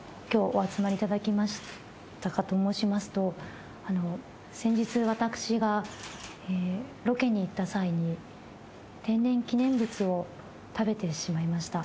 お集まりいただきましたかと申しますと先日私がロケに行った際に天然記念物を食べてしまいました。